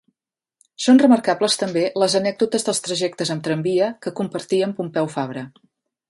Són remarcables també les anècdotes dels trajectes amb tramvia que compartia amb Pompeu Fabra.